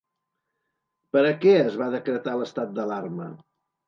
Per a què es va decretar l'estat d'alarma?